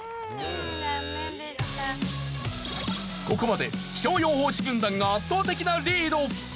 ここまで気象予報士軍団が圧倒的なリード。